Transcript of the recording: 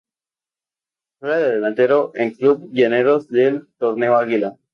Juega de delantero en Club Llaneros del Torneo Águila.